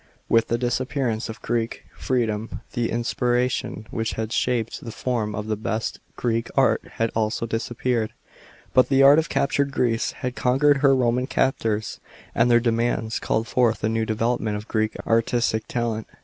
With the disappear ance of Greek freedom, the inspiration which had shaped the form of the best Greek art had also disappeared. But the art of captured Greece had conquered her Roman captors, and their demands called forth a new development of Greek artistic talent.